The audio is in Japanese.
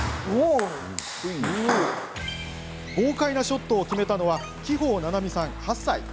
豪快なショットを決めたのは木方菜々美さん、８歳。